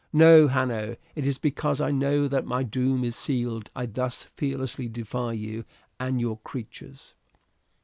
No, Hanno, it is because I know that my doom is sealed I thus fearlessly defy you and your creatures."